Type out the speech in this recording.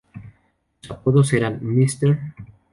Sus apodos eran ""Mr.